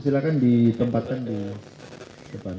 silahkan ditempatkan di depan